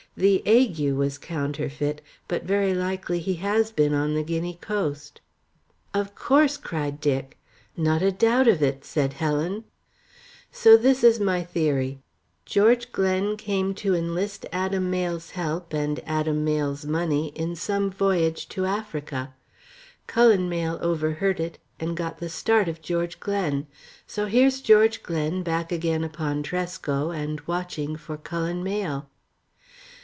The ague was counterfeit, but very likely he has been on the Guinea coast." "Of course," cried Dick. "Not a doubt of it," said Helen. "So this is my theory. George Glen came to enlist Adam Mayle's help and Adam Mayle's money, in some voyage to Africa. Cullen Mayle overheard it, and got the start of George Glen. So here's George Glen back again upon Tresco, and watching for Cullen Mayle."